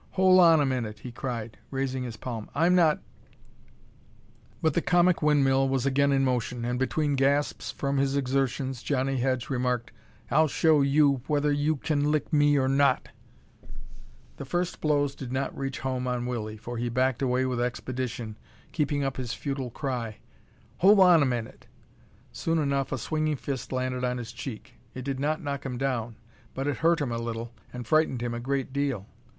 "Hol' on a minute," he cried, raising his palm. "I'm not " [Illustration: "ONE APPROACHING FROM BEHIND LAID HOLD OF HIS EAR"] But the comic windmill was again in motion, and between gasps from his exertions Johnnie Hedge remarked, "I'll show you whether you kin lick me or not." The first blows did not reach home on Willie, for he backed away with expedition, keeping up his futile cry, "Hol' on a minute." Soon enough a swinging fist landed on his cheek. It did not knock him down, but it hurt him a little and frightened him a great deal.